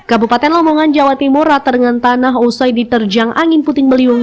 kabupaten lamongan jawa timur rata dengan tanah usai diterjang angin puting beliung